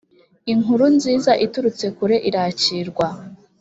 inkuru nziza iturutse kure irakirwa